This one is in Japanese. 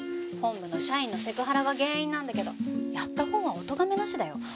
本部の社員のセクハラが原因なんだけどやったほうはおとがめなしだよ？